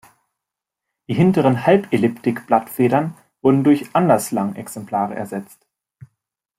Die hinteren Halbelliptik-Blattfedern wurden durch Underslung-Exemplare ersetzt.